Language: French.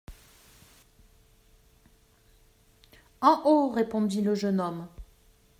En haut, répondit le jeune homme.